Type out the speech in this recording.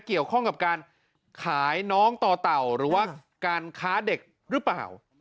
เกี่ยวข้องกับการขายน้องต่อเต่าหรือว่าการค้าเด็กหรือเปล่า